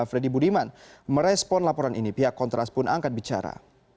freddy budiman merespon laporan ini pihak kontras pun angkat bicara